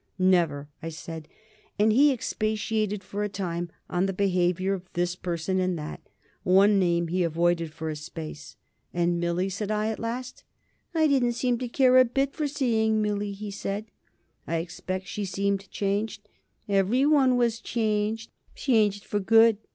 "Never," I said, and he expatiated for a time on the behaviour of this person and that. One name he avoided for a space. "And Millie?" said I at last. "I didn't seem to care a bit for seeing Millie," he said. "I expect she seemed changed?" "Every one was changed. Changed for good.